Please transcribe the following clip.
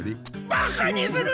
バカにするな！